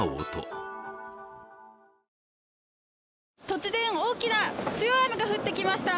突然、大きな、強い雨が降ってきました。